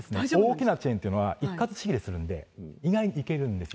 大きなチェーン店は一括仕入れするので、意外にいけるんですよ。